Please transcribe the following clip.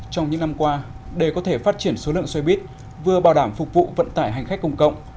trong những năm qua để có thể phát triển số lượng xoay bít vừa bảo đảm phục vụ vận tải hành khách công cộng